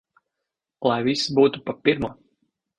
Lai viss būtu pa pirmo!